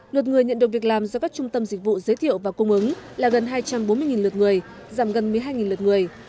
lượt người nhận được việc làm do các trung tâm dịch vụ giới thiệu và cung ứng là gần hai trăm bốn mươi lượt người giảm gần một mươi hai lượt người